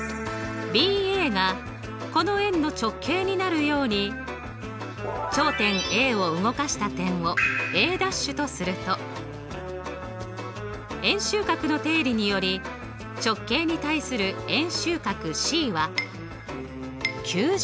ＢＡがこの円の直径になるように頂点Ａを動かした点をＡ’とすると円周角の定理により直径に対する円周角Ｃは９０°。